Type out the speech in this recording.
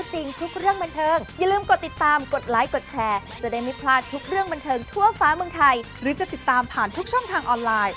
เหมือนที่เขาทำเลยมันร้าไปทั้งตัวเลยคุณผู้ชมค่ะ